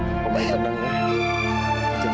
masya allah aida